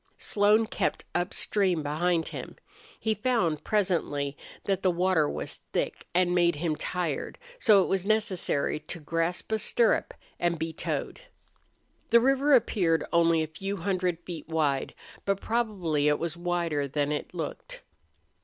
Slone kept upstream beside him. He found, presently, that the water was thick and made him tired, so it was necessary to grasp a stirrup and be towed. The river appeared only a few hundred feet wide, but probably it was wider than it looked.